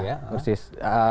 iya ya persis